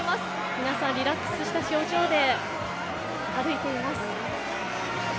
皆さんリラックスした表情で歩いています。